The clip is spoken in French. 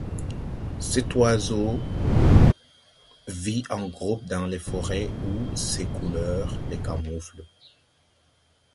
Cet oiseau vit en groupe dans les forêts où ses couleurs le camouflent.